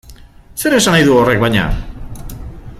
Zer esan nahi du horrek baina?